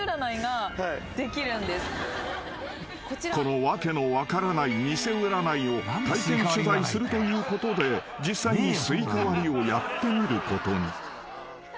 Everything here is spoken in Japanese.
［この訳の分からない偽占いを体験取材するということで実際にスイカ割りをやってみることに］